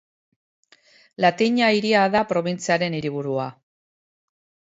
Latina hiria da probintziaren hiriburua.